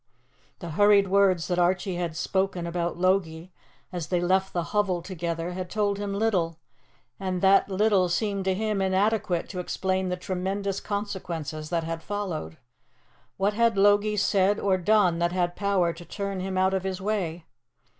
The hurried words that Archie had spoken about Logie as they left the hovel together had told him little, and that little seemed to him inadequate to explain the tremendous consequences that had followed. What had Logie said or done that had power to turn him out of his way?